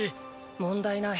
問題ない。